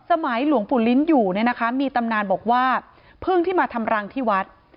หลวงปู่ลิ้นอยู่เนี่ยนะคะมีตำนานบอกว่าเพิ่งที่มาทำรังที่วัด